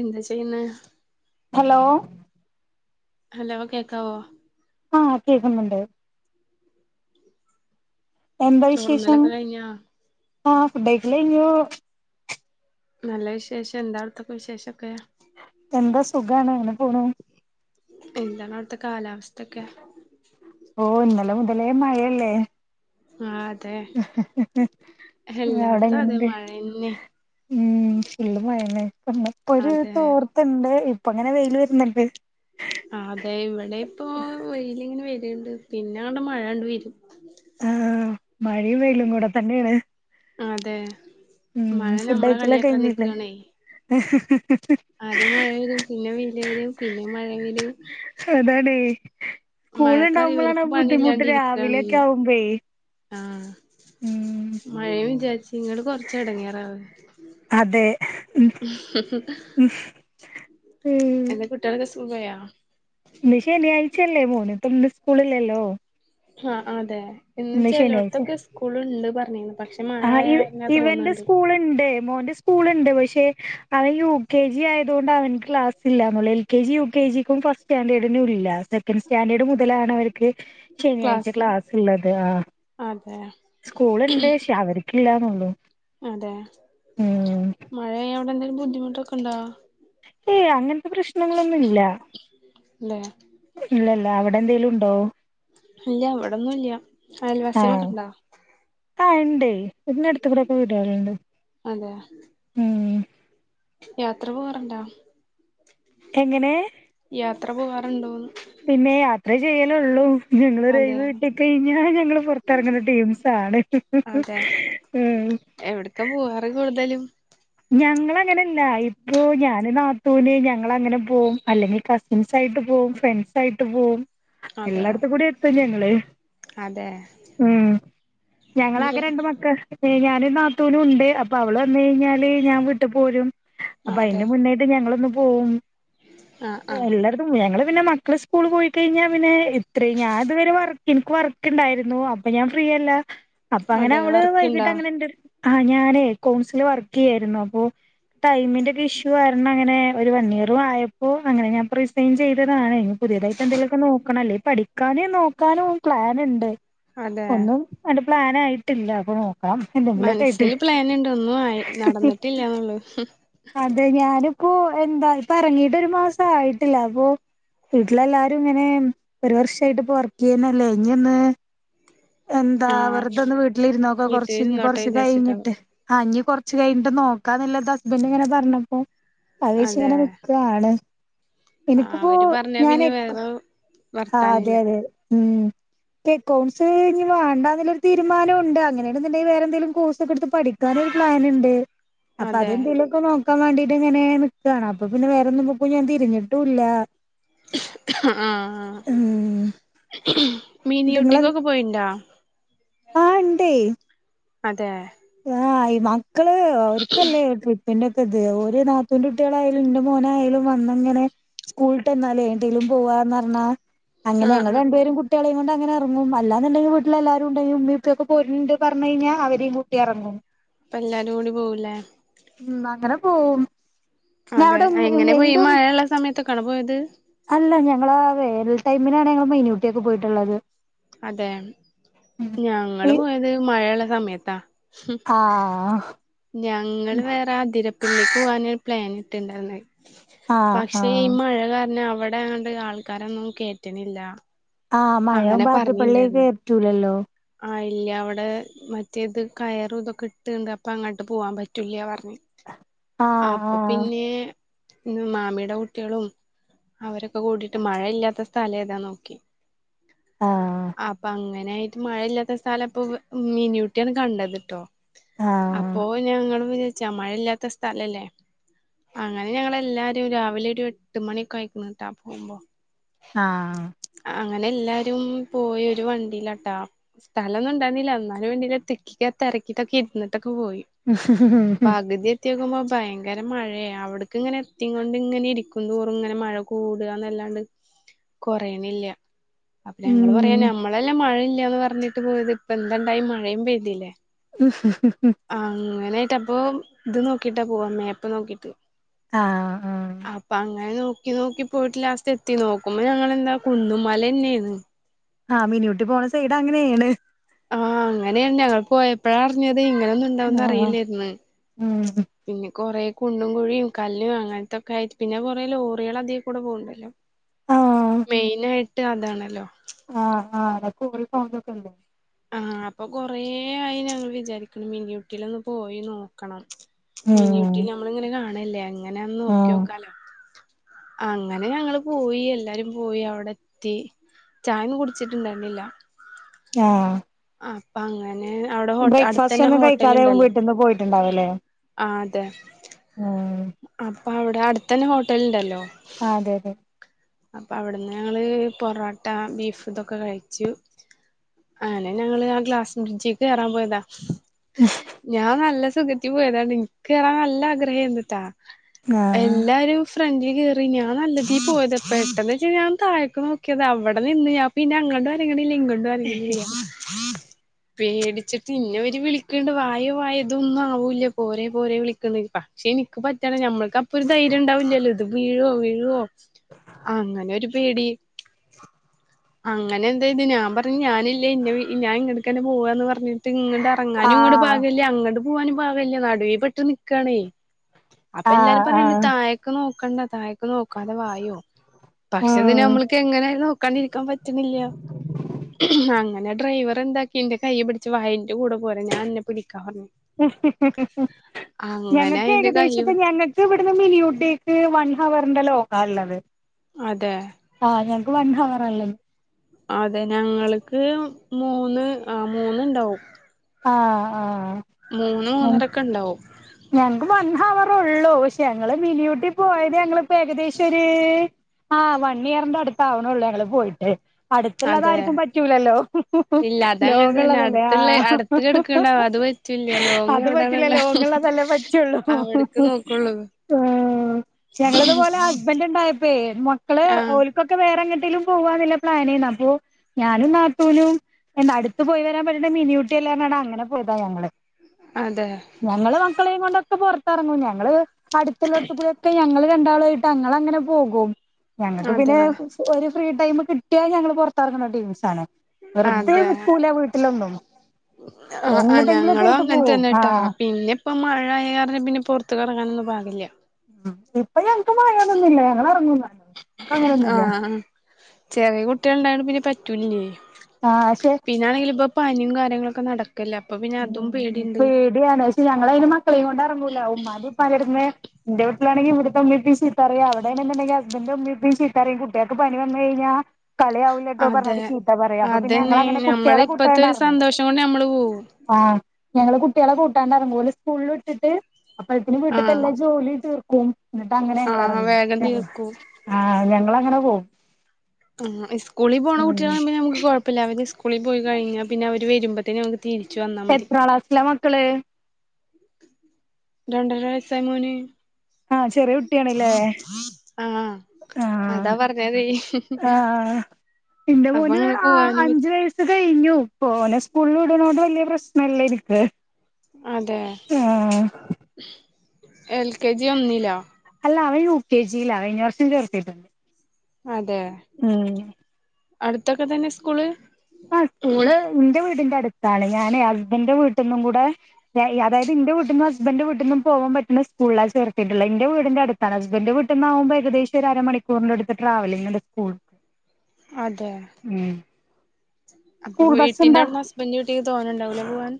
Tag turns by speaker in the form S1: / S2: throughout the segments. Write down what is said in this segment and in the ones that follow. S1: എന്താ ചെയ്യുന്നേ?.
S2: Hello
S1: hello കേക്കാവോ?.
S2: ആഹ് കേക്കുന്നുണ്ട്. എന്താ വിശേഷം.
S1: ചോറുന്നലൊക്കെ കഴിഞ്ഞാ
S2: ആഹ് ഫുഡൈ ക്കലെഴിഞ്ഞു.
S1: നല്ല വിശേഷം. എന്താ അവ്ട്ത്തൊക്കെ വിശേഷൊക്കെ?.
S2: എന്താ സുഖാണ്. ങ്ങനെ പോണൂ
S1: എന്താണ് അവ്‌ട്ത്തെ കാലാവസ്‌തൊക്കെ?.
S2: ഓഹ് ഇന്നലെ മുതലേ മഴയല്ലേ?.
S1: ആ അതെ എല്ലായിടത്തും അതെ
S2: അവ്ടെങ്ങനെണ്ട്.
S1: മഴന്നെ
S2: ഉം ഫുള്ള് മഴെന്നെ. പിന്നെ പ്പൊര്
S1: അതെ
S2: തോർത്ത്ണ്ട്. ഇപ്പങ്ങനെ വെയ്ല് വെര്ന്ന്ണ്ട്.
S1: ആതെ വടെപ്പോ വെയ്ലിങ്ങനെ വെര്ണ്ട്, പിന്നെ ആണ്ട് മഴാണ്ട് വെരും.
S2: ആഹ് മഴേം വെയ്ലുംകൂടെ തെന്നേണ്.
S1: അതെ
S2: ഉം
S1: മഴ നമ്മളെ
S2: ഫുഡൈഴിക്കലൊക്കെ
S1: കളിയാക്കാൻ
S2: കഴിഞ്ഞില്ലേ?
S1: നിക്കാണേ ആദ്യം മഴ വരും, പിന്നെ വെയില് വരും, പിന്നേം മഴ [unintelligible]
S2: അതാണേ.
S1: മഴക്കറിയും
S2: സ്കൂള്ണ്ടാവ്മ്പളാണ്
S1: ഇവർക്ക്
S2: ആ ബുദ്ധിമുട്ട്. രാവിലൊക്കെ ആകുമ്പേ
S1: ആഹ് മഴയും വിചാര്ച്ച് ങ്ങള് കൊർച്ച് എടങ്ങേറാവ്.
S2: അതെ [unintelligible]
S1: അന്റെ കുട്ട്യോളൊക്കെ സ്കൂൾക്കോയോ?
S2: ന്ന് ശനിയാഴ്ച്ചല്ലേ മോന് പ്പം ന്ന് സ്കൂളിലല്ലോ?.
S1: ആഹ് അതെ. ന്ന് ചെലോട്ത്തൊക്കെ സ്കൂള്ണ്ട് പർഞ്ഞീന്നു.
S2: ആഹ് ഇവ് ഇവന്റെ സ്ക്കൂള്ണ്ട്. മോന്റെ സ്കൂള്ണ്ട്. പക്ഷെ അവൻ യു കെ ജി ആയത്കൊണ്ട് അവന്ക്ക് ക്ലാസില്ലാന്നൊള്ള്. L K G, U K ജിക്കും ഫസ്റ്റ് സ്റ്റാൻഡേർഡിനും ഇല്ല. സെക്കൻ്റ് സ്റ്റാഡേർഡ് മുതലാണ് അവര്ക്ക് ശനിയാഴ്ച
S1: ക്ലാസ്
S2: ക്ലാസ്സ്ള്ളത്. ആഹ്
S1: അതെ
S2: സ്കൂള്ണ്ട് ക്ഷേ അവര്ക്ക് ഇല്ലാ ന്നൊള്ളൂ.
S1: അതെ. മഴയോണ്ട് എന്തേലും ബുദ്ധിമുട്ടൊക്കെണ്ടോ?
S2: ഏയ് അങ്ങൻത്തെ പ്രശ്നങ്ങളൊന്നുല്ല.
S1: ല്ലേ
S2: ഇല്ല ല്ലാ. അവടെ എന്തേലുണ്ടോ?.
S1: ഇല്ല്യ. വടൊന്നുല്ല്യ. അയൽവാസികളൊക്കെണ്ടോ?
S2: ആഹ് ണ്ട്. വീട്നട്ത്ത് വ്‌ടൊക്കെ വീട്ടാര്ണ്ട്.
S1: അതെ
S2: ഉം
S1: യാത്ര പോവാറ്ണ്ടാ?.
S2: എങ്ങനെ?.
S1: യാത്ര പോവാറ്ണ്ടോന്ന്?
S2: പിന്നേ. യാത്ര ചെയ്യലൊള്ളും. ഞങ്ങള് ഒര്
S1: അതെ
S2: ഒഴിവ് കിട്ടിക്കഴിഞ്ഞാ ഞങ്ങള് പൊർത്തെറങ്ണ ടീംസാണ്.
S1: എവ്ട്ക്കാ പോവാറ് കൂട്തലും
S2: ഞങ്ങളങ്ങനെല്ലാ. ഇപ്പോ ഞാന്, നാത്തൂന് ഞങ്ങളങ്ങനെ പോവും. അല്ലെങ്കിൽ ക ൻസായിട്ട് പോവും, ഫ്രണ്ട്സായിട്ട് പോവും,
S1: അതെ
S2: എല്ലായിടത്തും കൂടി എത്തും ഞങ്ങള്
S1: അതെ
S2: ഉം. ഞങ്ങളാകെ
S1: മീൻ
S2: രണ്ട് മക്ക ഏഹ് ഞാന് നാത്തൂനുണ്ട്. അപ്പൊ അവള് വന്നഴിഞ്ഞാല് ഞാ വീട്ട് പോരും. അപ്പൊ
S1: അതെ
S2: അയിന്റെ മുന്നേയി ട്ട് ഞങ്ങളൊന്ന് പോവും.
S1: ആഹ് ആഹ്
S2: എല്ലാ ഞങ്ങള് പിന്നെ മക്കള് സ്കൂള് പോയി കഴിഞ്ഞാ പിന്നെ ഇത്രയും ഞാൻ ഇതുവരെ എനിക്ക് വർക്ക്‌ ണ്ടായിരുന്നു അപ്പൊ ഞാൻ ഫ്രീയല്ല അപ്പൊ അങ്ങനെ
S1: അതെ
S2: അവള് വൈകിട്ട്
S1: വർക്കുണ്ടോ
S2: അങ്ങനെ ഇന്റെ ആ ഞാനേ കൗൺസില് വർക്ക് ചെയ്യായിരുന്നു അപ്പൊ ടൈമിന്റെ ഒക്കെ ഇഷ്യൂകാരണം അങ്ങനെ ഒരു വൺ ഇയറും ആയപ്പോ അങ്ങനെ ഞാൻപ്പൊ റിസൈൻ ചെയ്തതാണ് പുതിതായിട്ട് എന്തെങ്കിലുക്കെ നോക്കണല്ലേ പഠിക്കാനും നോക്കാനും പ്ലൻ ഉണ്ട്
S1: അതെ
S2: ഒന്നും ആന്റ് പ്ലൻ ആയിട്ടില്ല അപ്പൊ നോക്കണം
S1: മനസ്സില് പ്ലാനുണ്ട് ഒന്നും ആയി നടന്നിട്ടില്ലന്നുള്ളു
S2: അതെ ഞാനിപ്പോ എന്താ പറങ്ങീട്ട ഒരു മാസ ആയിട്ടില്ല അപ്പൊ വീട്ടിലല്ലാരും ഇങ്ങനെ ഒരു വർഷയിട്ട് ഇപ്പ വർക്ക് ചെയ്യാനല്ലേ ഇങ്ങന്ന് എന്താ
S1: ആഹ്
S2: വെറുതൊന്ന് വീട്ടിലിരുന്നോക്കോ കൊറച്ച ഇഞ്ഞ്
S1: വീട്ടിലിരുന്നോട്ടെ
S2: കൊറച്ച്
S1: വിചാരിച്ചിട്ടാവും
S2: കഴിഞ്ഞിട്ട് ആ ഞ് കൊറച്ച് കഴിഞ്ഞിട്ട് നോക്കാന്നില്ല ഇത് ഹസ്ബൻഡറ് ഇങ്ങനെ പറഞ്ഞപ്പോ അത് വച്ച
S1: അതെ
S2: ഇങ്ങനെ ഇതാണ്
S1: ആഹ്
S2: എനിക്കിപ്പോ
S1: അവര് പറഞ്ഞാ
S2: ഞാനെ
S1: പിന്നെ വേറെ
S2: ആ അതെ
S1: വർത്താനില്ല
S2: അതെ ഉം ക്കൗണ്ട്സ് ഇനി വേണ്ടന്നുള്ളതീരുമാനം ഉണ്ട് അങ്ങനെയണണ്ട വേറെന്തെലും കോഴ്സ് ഒക്ക എടുത്ത് പഠി ക്കാന് ഒരു പ്ലാൻ ഉണ്ട് അപ്പൊ
S1: അതെ
S2: അതെന്തെലു ക്ക നോക്കാൻ വേണ്ടീട്ട ഇങ്ങനെ നിക്കക്കുവാണ് അപ്പൊ പിന്നെ വേറെന്നമ്മക്കും ഞാൻ തിരിഞ്ഞിട്ടുല്ല
S1: ആഹ
S2: ഉം
S1: മീൻ യുട്ടിക്കൊക്കെ പോയിണ്ടോ
S2: ആ ഇണ്ട്
S1: അതെ
S2: ആഹ് ഈ മക്കള് അവർക്കല്ലേ അയിന്റെ ക ത് ഓല് നാത്തുന്റെ കുട്ടികളായാലും എന്റെ മോനായയാലും വന്നങ്ങനെ സ്കൂളിട്ട് വന്നാല് എന്ടെങ്കിലും പോവാന്ന് പറഞ്ഞാ അങ്ങനെ
S1: ആഹ്
S2: ഞങ്ങൾ
S1: ആഹ്
S2: രണ്ടുപേരും കു കുട്ടികളെയുംകൊണ്ട് അങ്ങനെറങ്ങും അല്ലാന്ന്ണ്ടെങ്കിൽ വീട്ടില് എല്ലാവരും ഉണ്ടെങ്കിൽ ഉമ്മ ഉപ്പ ഒക്കെ പോരണ്ട് പറഞ്ഞ കഴിഞ്ഞാ അവരെയും ട്ടിറങ്ങും
S1: പ്പ എല്ലാരും കൂടി പോവൂലേ
S2: ഉം അങ്ങനെ പോവും പിന്നെ
S1: അതെ
S2: അവിടെ
S1: എങ്ങനെ പോയി ഈ
S2: എന്റും
S1: മഴയള്ള സമയത്തൊക്കോട പോയത്
S2: അല്ല ഞങ്ങള ആ വേനൽ ടൈമിനാണ് ഞങ്ങൾ മിനി ഊട്ടിക്കെ പോയിട്ള്ളത്
S1: അതെ ഞങ്ങള്
S2: ഈ
S1: പോയത് മഴയുള്ള സമയത്താ
S2: ആഹ്
S1: ഞങ്ങള് വേറെ ആതിരപ്പിലേക്ക് പോകാന പ്ലാനിട്ടുണ്ടായിരുന്ന
S2: ആഹ്
S1: പക്ഷെ ഈ
S2: ആഹ്
S1: മഴ കാരണം അവിടെണ്ട് ആൾക്കാരൊന്നും കേറ്റണില്ല.
S2: ആ
S1: അങ്ങനെ
S2: മഴവും അതിര പള്ളിക്ക്
S1: പറഞ്ഞിണ്ടായിന്ന്
S2: കയറ്റൂലല്ലോ
S1: ആ ഇല്ല അവിടെ മറ്റേത് കയറുംതൊക്കെ ഇട്ട് പ്പ അങ്ങട്ട് പോവാൻ പറ്റൂല്ല പറഞ്ഞ്
S2: ആഹ്
S1: അപ്പ
S2: ആഹ്
S1: പിന്നെ ഇന്ന് മാമിയുടെ കുട്ടിളും അവരൊക്കെ കൂടിട്ട് മഴയില്ലാത്ത സ്ഥലം ഏതാ നോക്കി
S2: ആഹ്
S1: അപ്പ അങ്ങനെ ആയിട്ട് മഴയില്ലാത്ത സ്ഥലംപ്പൊ മീനൂട്ടിയാണ് കണ്ടത്ട്ടോ
S2: ആഹ്
S1: അപ്പോ ഞങ്ങളും വിചച്ചാ മഴയില്ലാത്ത സ്ഥലല്ലേ അങ്ങനെ ഞങ്ങളെല്ലാരും രാവിലെ ഒരു എട്ട് മണിയൊക്കെ അയക്ണ് ട്ടാ പോകുമ്പോ
S2: ആഹ്
S1: അങ്ങനെ എല്ലാരും പോയൊരു വണ്ടിയിലാട്ടാ സ്ഥലംന്നും ഉണ്ടരുന്നില്ല എന്നാലും വേണ്ടി തിക്കി തിരക്കിട്ടൊക്കെ ഇരിന്നി ട്ടൊക്കെ പോയി പകുതി എത്തിയോക്കുമ്പോ ഭയങ്കര മഴയ അവ്ട്ക്ക്ങ്ങനെ എത്തികൊണ്ട് ഇങ്ങനെഇരിക്കും തോറുംഇങ്ങനെ മഴ കൂടാന്നല്ലാണ്ട് കൊറെയ്ണില്ല അപ്പ ഞങ്ങള്
S2: ഉം
S1: പറയാനമ്മളെല്ലാം മഴഇല്ലയന്ന് പറഞ്ഞിട്ട്പോയത് ഇപ്പൊ എന്തണ്ടായ് മഴയുംപെയ്തില്ലേ
S2: ഉ [unintelligible]
S1: അങ്ങനൊയിട്ട് അപ്പൊഇത് നോക്കിട്ടാ പോവാ മേപ്പ്നോക്കിട്ട്
S2: ആഹ് ആഹ്
S1: അപ്പഅങ്ങനെ നോക്കി നോക്കി പോയിട്ട്ലാസ്റ്റ്എത്തി നോക്കുമ്പോ ഞങ്ങെന്താ കുന്നും മലെന്നെണ്
S2: ആഹ് മിനിയൂട്ടിപോണ സെയ്‌ഡ് അങ്ങനെണ്.
S1: ആഹ് അങ്ങനെണ് ഞങ്ങൾ പോയപ്പോഴാഅറിഞ്ഞത് ഇങ്ങനെ ഒന്നുംഇണ്ടാവുംന്ന്
S2: ആഹ്
S1: അറിയില്ലാര്ന്ന്
S2: ഉം
S1: പിന്നെ കൊറേ കുണ്ടുംകുഴിയും കല്ലും അങ്ങൻത്തൊക്കെആയിട്ട് പിന്നെ കൊറെലോറികൾ അതീകൂടെ പോവ്ണ്ടല്ലോ?.
S2: ആഹ്
S1: മെയ്നായിട്ട് അതാണല്ലോ?
S2: ആഹ് ആടെ കോറിപോകുന്നൊക്കെണ്ട്.
S1: ആഹ് അപ്പൊകൊറെയായി ഞങ്ങൾ വിചാരിക്കണ് മിനി ഊട്ടിലൊന്ന് പോയി നോക്കണം.
S2: ഉം
S1: മിനിയൂട്ടി നമ്മളിങ്ങനെ കാണല്ലേ എങ്ങനെന്ന്
S2: ആഹ്
S1: നോക്കിയോക്കാന. അങ്ങനെ ഞങ്ങള്പോയി എല്ലാരും പോയിഅവിടെ എത്തി. ചായൊന്നും കുടിച്ചിട്ടുണ്ടായിര് ന്നില്ല.
S2: ആഹ്
S1: അപ്പങ്ങനെ അവിടെ
S2: ബ്രേക്ക്ഫാസ്റ്റ്
S1: ഹോഅടുത്തെന്നെ
S2: ഒന്നും കഴിക്കാതെ
S1: ഹോട്ടല്ണ്ടല്ലോ?
S2: വീട്ടിന്ന് പോയിട്ടുണ്ടാവല്ലേ
S1: ആ അതെ.
S2: ഉം
S1: അപ്പവ്ടെ അ ടുതെന്നെ ഹോട്ടല്ണ്ടല്ലോ?
S2: അതെ, തെ
S1: അപ്പവ്ട്ന്ന് ഞങ്ങള് പൊറോട്ടബീഫ് തൊക്കെ കഴിച്ചു. അങ്ങനെ ഞങ്ങള് ആഗ്ലാസ് ബ്രിഡ്ജ്ക്ക് കെയറാൻപോയതാ.
S2: [unintelligible]
S1: ഞാൻ നല്ലെസുഖത്തി പോയത ഇൻക്കേറാൻ നല്ലആഗ്രഹെന്നൂട്ടാ
S2: ആഹ്
S1: എല്ലാരും ഫ്രണ്ടീ കേറി ഞാൻനല്ലതിപോയത പെട്ടെന്ന് വെച്ച ഞാൻ താഴേക്ക് നോക്കിയത അവടെനിന്ന് ഞാൻപിന്നെ അങ്ങട്ടുംഅനങ്ങ്ണില്ല ഇങ്ങട്ടും അനങ്ങ്ണില്ല. [unintelligible] പേടിച്ചിട്ട് ഇന്നെ വെര് വിളിക്ക്ണ്ട് വായോ വായോതൊന്നാവൂല്ല പോരെ പോരെവിളിക്കണ് പ്പാ ക്ഷെ എനിക്ക് പറ്റണനമ്മൾക്കപ്പൊ ഒരു ധൈര്യണ്ടാവില്ലല്ലോ ഇത് വീഴൊ വീഴൊ അങ്ങനെഒര് പേടി അങ്ങനെഎന്തേത് ഞാൻപറഞ്ഞു ഞാന് ല്ല ഇന്റെവി ഞാ ഇങ്ങട്ട്തെന്നെ പോവാന്ന് പറഞ്ഞിട്ട് ഇങ്ങട്ട് എറങ്ങാനും ഇങ്ങട്
S2: ആഹ്
S1: പാകല്ല അങ്ങട് പോവാനും പാവല്ല നടുവിപെട്ട് നിക്കാണെ
S2: ആഹ്
S1: അപ്പൊഎല്ലാരും പറയ്ണ്ട്
S2: ആഹ്
S1: തായേ ക്ക് നോക്കണ്ട താഴക്ക് നോക്കാതെ വായോ.
S2: [inaudible]
S1: പക്ഷെഅത് ന്നമ്മൾക്ക് എങ്ങനെ നോക്കാണ്ടിരിക്കാൻ പറ്റ്ന്ന്ല്ല അങ്ങനെ ഡ്രൈവറെന്താക്കി ഇന്റെ കൈയ്യ് പി ച്ച് വായെന്റെ കൂടെ പോര് ഞാൻ അന്നെ പിടിക്കാറഞ്ഞു.
S2: ഞങ്ങൾക്ക് ഏകദേശപ്പൊ ഞങ്ങൾക്ക് ഇവട്ന്ന് മിനിയുട്ടീക്ക് വൺ ഹവറിന്റെ ലോങ്ങാള്ളത്.
S1: അതെ
S2: ആഹ് ഞൾക്ക് വൺ ഹവറഇള്ളത്.
S1: അതെ ഞങ്ങൾക്ക് മൂന്ന് ആ മൂന്ന്ണ്ടാവും.
S2: ആഹ് ആഹ്
S1: മൂന്ന് മൂന്നരൊക്കെണ്ടാവും.
S2: ഞങ്ങക്ക് വൺ ഹവറേള്ളൂ പക്ഷെ ഞങ്ങള് മിനിയൂട്ടിപോയത് ഞങ്ങളിപ്പോ ഏകദേശൊര്.... ആഹ് വൺ ഇയറിന്റെ അടുത്താ വ്ണൊള്ളൂ ഞങ്ങള്പോയിട്ട്. അടുത്തുള്ളത്
S1: അതെ
S2: ആർക്കുംപറ്റൂലല്ലോഹ് ഹ് ഹ്
S1: ഇല്ല അത അങ്ങനെ തന്നെ
S2: ലോങ്ങ്ള്ളതല്ലേ ആഹ് ഹ് ഹ് ഹ്
S1: റ്റ്ല്ലലോങ് എവടെണ്ല്ലേ? ഹ് ഹ്
S2: ഇല്ല പറ്റൊള്ളൂ. ആഹ് ഞങ്ങളത്പോലെ ഹസ്ബെന്റ്ണ്ടായപ്പോ മക്കള്
S1: ആഹ്
S2: ഓല് ക്കൊക്കെ വേറെ എങ്ങട്ടിലും പോവാന്ള്ള പ്ലാനയ്നു അപ്പോ ഞാനും നാത്തൂനും എന്താ അടുത്ത് പോയി വരാൻ പറ്റ്ണ മിനിയൂട്ടി അ ല്ലേ ന്നറഞാണ്ടങ്ങനെ പോയതാ ഞങ്ങള്
S1: അതെ
S2: ഞങ്ങള് മക്കളെയും കൊണ്ടൊക്കെ പുറത്തിറങ്ങും. ഞങ്ങള് അടുത്ത് ള്ളേട്ത്തു കുടി ക്ക്‌ ക്കെ ഞങ്ങൾ രണ്ടാളൂ വായിട്ട് ഞങ്ങളങ്ങനെ പോകും ഞങ്ങൾക്ക്
S1: അതെ
S2: പിന്നെ ഒരു ഫ്രീ ടൈ കിട്ടിയാൽ ഞങ്ങള് പുറത്തറങ്ങണ ടീംസാണ് വെറുതെ നിക്കൂല വീട്ടിലൊന്നും
S1: ആഹ് ആഹ്
S2: എങ്ങട്ടെങ്കിലൊക്കെ
S1: ഞങ്ങളോ
S2: ആയിട്ട് പോവും
S1: അങ്ങനെത്തന്നെട്ടാ
S2: ആഹ്
S1: പിന്നെ ഇപ്പം മഴയായ കാരണം പിന്നെ പുറത്ത് കറങ്ങാനന്നും പാകില്ല
S2: ഇപ്പൊ ഞങ്ങക്ക് മഴയെന്ന് ഒന്നുവില്ല ഞങ്ങൾ ഇറങ്ങുന്ന് എക്ക് അങ്ങനെയൊന്നുമില്ല
S1: ആഹ് ചെറിയ കുട്ടികൾ ഉണ്ടായണ്ട് പിന്നെ പറ്റൂല്ലേ
S2: ആഹ് പക്ഷെ
S1: പിന്നാണെങ്കിലി ഇപ്പൊ പനിയും കാര്യങ്ങളൊക്കെ നടക്കു കല്ലേ അപ്പ പി
S2: ഉം പേടിയാണ് പക്ഷേ ഞങ്ങളയിന് മക്കളെയും കൊണ്ട് ഇറങ്ങൂല ഉമ്മാന്റെ ഉപ്പാന്റെടുന്ന് എന്റെ വീട്ടിലാണെങ്കി ഇവിടുത്തെ ഉമ്മി ഉപ്പി ചീത്തറിയ അവിടെണെന്നുണ്ടക്കി ഹസ്ബന്റെ ഉമ്മീ ഉപ്പി ചീത്തറയും കുട്ടികൾക്ക് പനി വന്നു കഴിഞ്ഞാ കളിയാവൂല്ലാട്ടോ
S1: അതെ
S2: പറഞ്ഞട്ട് ചീത്ത പറയാ അപ്പൊ പിന്നെ ഞങ്ങളങ്ങനെ കുട്ടികളെ കൂട്ടാണ്ടായിറങ്ങും
S1: ട്ടോണ് നമ്മള് പോവും.
S2: ആഹ് ഞങ്ങള് കുട്ടികളെ കൂട്ടാണ്ട ഇറങ്ങും ഓല സ്കൂളിൽ വിട്ടിട്ട് അപ്പഴ്ത്തേന് വീട്ടത്തെ
S1: ആഹ്
S2: എല്ലാം ജോലി തീർക്കും എന്നിട്ട് അങ്ങനെ ഞങ്ങ
S1: ആഹ്
S2: ഇറങ്ങ
S1: വേഗം തീർക്കും
S2: ആഹ് ഞങ്ങൾ അങ്ങനെ പോവും
S1: ആ സ്കൂളി പോണ
S2: ഉം
S1: കുട്ടികള കുമ്പ നമുക്ക് കുഴപ്പില്ല അവര് സ്കൂളിൽ പോയി കഴിഞ്ഞാൽ പിന്നെ അവര് വരുമ്പോത്തേ നമു തിരിച്ചു വന്ന
S2: എത്രാളാസിലാ മക്കള്
S1: രണ്ടരൈസായി മോനി
S2: ആഹ് ചെറിയ കുട്ടിയാണല്ലേ
S1: ആഹ് അതാ
S2: ആഹ്
S1: പറഞ്ഞതി
S2: ആഹ് എന്റെ മോന് ആ
S1: പറ്റി
S2: അഞ്ച് വയസ് സ് കഴിഞ്ഞു ഓനെ സ്കൂളിൽ ഇടുന്നോട് വലിയ പ്രശ്നില്ലാരിക്
S1: അതെ എൽ കെ ജി ഒന്നില്ലാ
S2: അല്ല അവൻ യു കെ ജി ലാ കഴിഞ്ഞ വർഷം ചേർത്തിരുന്നു
S1: അതെ
S2: ഉം
S1: അടുത്തൊക്കെ തന്നെ സ്കൂള്
S2: ആ സ്കൂള് എന്റെ വീടിന്റെ അടുത്താണ് ഞാനെ ഹസ്ബൻന്റെ വീട്ടന്നും കൂടെ അതായത് എന്റെ വീട്ടിന്നും ഹസ്ബന്റെ വീട്ടിന്നും പോകാൻ പറ്റുന്ന സ്കൂളാ ചേർത്തിട്ടുളേ എന്റെ വീടിന്റെ അടുത്ത് തന്റെ ഹസ്ബന്റ് വീട്ടന്നാകുമ്പോ ഏകദേശം ഒരരമണിക്കൂറിൻറടുത്ത്ട്രാവലിംഗങ്ണ്ട് സ്കൂൾ
S1: അതേ
S2: ഉം
S1: അപ്പൊ
S2: സ്കൂൾ ബസ്
S1: വീട്ടിന്റെ
S2: ഉണ്ടാ
S1: അവിടുന്ന് ഹസ്ബന്ഡന്റെ വീട്ടിക്ക് തോന്ന ഉണ്ടാവില്ലോ പോവാൻ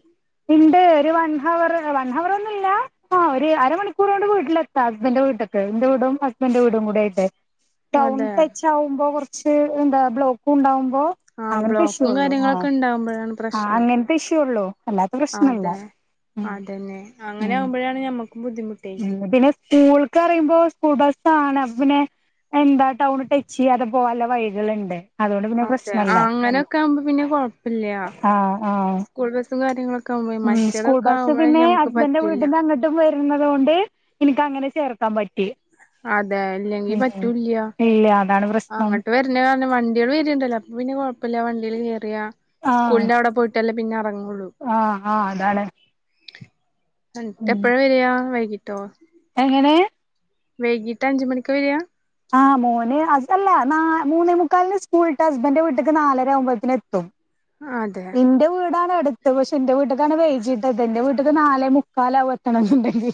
S2: ഉണ്ട് ഒരു വൺ ഹവർ വൺ ഹവർ ഒന്നുവില്ല ആഹ് ഒരു അരണികൂർ കൊണ്ട് വീട്ടിലെത്താ ഹസ്ബന്റെ വീട്ടൊക്കെന്റെ വീടും ഹസ്ബൻഡന്റെ വീടും കൂടി ആയിട്ട് ടൗൺ
S1: അതെ
S2: ടച്ച് ആകുമ്പോ കുറച്ച് എന്താ ബ്ലോക്ക് ഉണ്ടാവുമ്പോ
S1: ആഹ്
S2: അങ്ങനത്തെ ഇഷ്യൂ
S1: ബോക്കും
S2: ഉള്ളൂ ആ
S1: കാര്യങ്ങളൊക്കെ ഉണ്ടാവുമ്പഴാണ് പ്ര
S2: ആ
S1: പ്രശനം
S2: അങ്ങനത്തെ ഇഷ്യൂ ഉള്ളൂ അല്ലാത്ത പ്രശ്നല്ല
S1: അതെ
S2: ഉം
S1: അതന്നെ അങ്ങനെ
S2: ഉം
S1: ആകുമ്പോഴാണ് ഞമ്മ ബുദ്ധിമു
S2: ഉം പിന്നെ സ്കൂൾക്ക് അറയുമ്പോ സ്കൂൾ ബസ്സാണ് അപ്പൊ പിന്നെ എന്താ ടൗൺ ടച്ച് ചെയ്യാതെ പോകാനുള്ള വഴികളുണ്ട് അതുകൊണ്ട് പിന്നെ
S1: അതെ ആ
S2: പ്രശ്നല്ല
S1: അങ്ങനെയൊക്കെ ആകുമ്പോ പിന്നെ കൊഴപ്പില്ല
S2: ആ ആ
S1: സ്കൂൾ ബസ്സും കാര്യങ്ങളൊക്കെ ആകുമ്പോ
S2: ഉം സ്കൂൾ
S1: മറ്റേതൊക്കെ
S2: ബസ്
S1: ആകുമ്പോഴേ
S2: പിന്നെ
S1: ഞമ്മക്ക്
S2: ഹസ്ബൻന്റെ
S1: പറ്റൂല്ല
S2: വീടിന്റെ അങ്ങ ട്ടും വരുന്നത് കൊണ്ട് എനിക്ക് അങ്ങനെ ചേർക്കാൻ പറ്റി
S1: അതെ ഇല്ലെങ്കി
S2: ഉം
S1: പറ്റൂല്ല
S2: ഇല്ല അതാണ് പ്രശ്നം
S1: അങ്ങോട്ട് വ പിന്നെ പറഞ വണ്ടിയാള് വരിണ്ടല്ലോ അപ്പൊപ്പിന്നെകൊഴപ്പമില്ല വണ്ടീൽ കയറിയാ
S2: ആഹ്
S1: സ്കൂളിന്റെ അവടെ പോയിട്ടല്ലേ പിന്നെ എറങ്ങോള്ളു
S2: ആഹ് ആഹ് അതാണ്
S1: എന്നിട്ട്
S2: ഉം
S1: എപ്പഴ വര്യാ വൈകിട്ടോ
S2: എങ്ങനെ
S1: വൈകീട്ട് അഞ്ച് മണിക്ക് വര്യാ
S2: ആഹ് മോന് അതല്ല മൂന്നേ മുക്കാലിന് സ്കൂളിട്ടാ ഹസ്ബൻന്റിന്റെ വീട്ടിക്ക് നാലര ആകുമ്പോഴേത്തിന് എത്തും
S1: ആതെ
S2: ഇന്റെ വീടാണ് എടുത്ത് പക്ഷെ ഇന്റെ വീട്ട്ക്കാണ് വൈകീട്ടെത്ത ഇന്റെ വീട്ട്ക്ക് നാലെ മുക്കാലാവും എത്തണെന്നണ്ടെങ്കി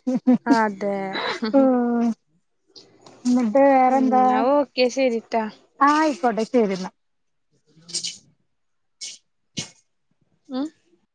S1: അതെ ഉം
S2: ആഹ് ഇന്നിട്ട് വേറെന്താ
S1: ഓക്കേ ശരിട്ടോ
S2: ആഹ് ആയിക്കോട്ടെ ശരിന്ന
S1: എല്ല ഉം